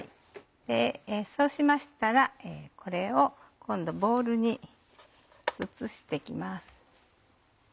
そうしましたらこれを今度ボウルに移して行きます。